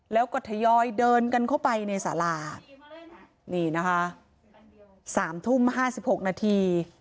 แล้วก็ทยอยเดินกันเข้าไปในสารานี่นะคะ๓ทุ่ม๕๖นาที